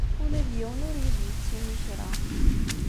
Ula d yiwen ur iyi-d-yettini kra.